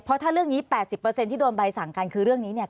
เพราะถ้าเรื่องนี้๘๐ที่โดนใบสั่งกันคือเรื่องนี้เนี่ย